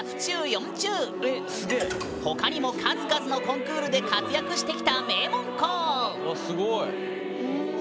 ほかにも数々のコンクールで活躍してきた名門校わっすごい！